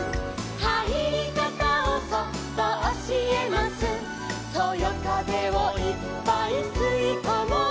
「はいりかたをそっとおしえます」「そよかぜをいっぱいすいこもう」